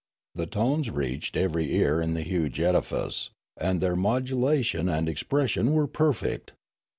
The tones reached every ear in the huge edifice, and their modu lation and expression were perfect.